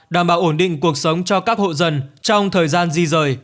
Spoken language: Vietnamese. đảm bảo ổn định cuộc sống cho các hộ dân trong thời gian di rời